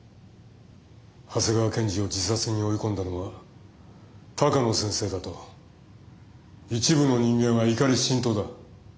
長谷川検事を自殺に追い込んだのは鷹野先生だと一部の人間は怒り心頭だ。